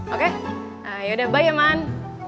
oke yaudah bye eman